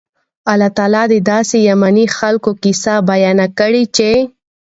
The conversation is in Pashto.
الله تعالی د داسي يَمَني خلکو قيصه بیانه کړي چې